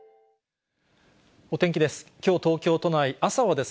お天気です。